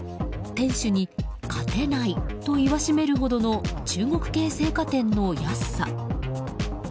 店主に勝てないと言わしめるほどの中国系青果店の安さ。